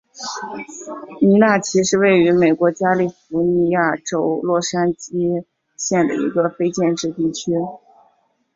尼纳奇是位于美国加利福尼亚州洛杉矶县的一个非建制地区。